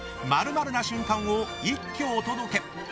○○な瞬間を一挙お届け。